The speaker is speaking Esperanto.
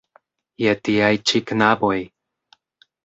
Je tiaj ĉi knaboj!